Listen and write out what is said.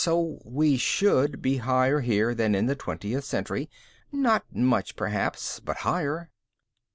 So we should be higher here than in the twentieth century not much, perhaps, but higher."